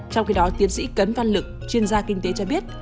trong khi đó tiến sĩ cấn văn lực chuyên gia kinh tế cho biết